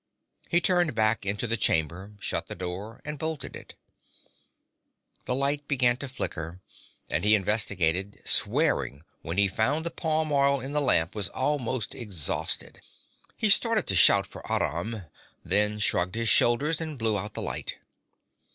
He turned back into the chamber, shut the door and bolted it. The light began to flicker, and he investigated, swearing when he found the palm oil in the lamp was almost exhausted. He started to shout for Aram, then shrugged his shoulders and blew out the light.